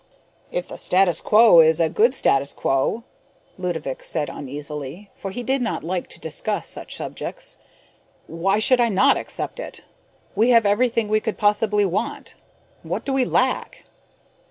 "If the status quo is a good status quo," Ludovick said uneasily, for he did not like to discuss such subjects, "why should I not accept it? We have everything we could possibly want. What do we lack?"